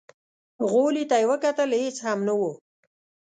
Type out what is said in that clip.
غولي ته يې وکتل، هېڅ هم نه و.